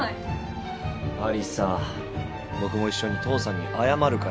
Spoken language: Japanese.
僕も一緒に父さんに謝るから。